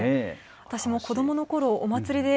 私も子どものころ、お祭りで